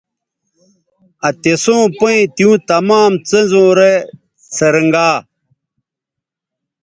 آ تِسوں پیئں تیوں تمام څیزوں رے څھنرگا